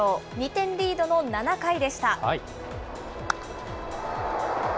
２点リードの７回でした。